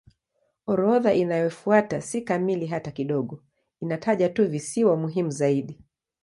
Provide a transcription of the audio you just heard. Orodha inayofuata si kamili hata kidogo; inataja tu visiwa muhimu zaidi.